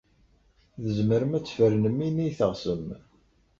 Tzemrem ad tfernem ini ay teɣsem.